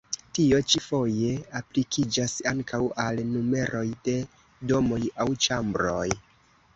Tio ĉi foje aplikiĝas ankaŭ al numeroj de domoj aŭ ĉambroj.